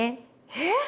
えっ？